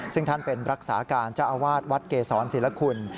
ซึ่งท่านเป็นรักษาการเจ้าอาวาสวัดเกษรศิลคุณ